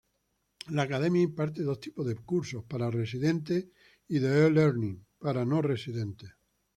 La Academia imparte dos tipos de cursos: para Residentes y de E-Learning, para no-residentes.